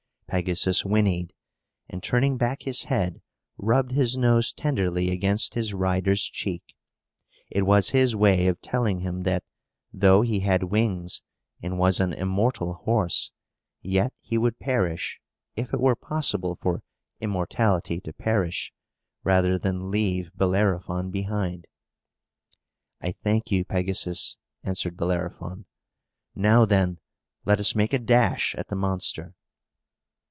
Pegasus whinnied, and, turning back his head, rubbed his nose tenderly against his rider's cheek. It was his way of telling him that, though he had wings and was an immortal horse, yet he would perish, if it were possible for immortality to perish, rather than leave Bellerophon behind. "I thank you, Pegasus," answered Bellerophon. "Now, then, let us make a dash at the monster!"